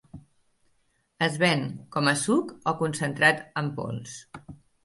Es ven com a suc o concentrat en pols.